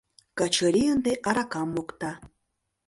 — Качыри ынде аракам мокта.